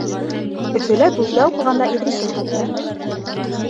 Өфөлә вузда уҡығанда Иҙрисен тапты.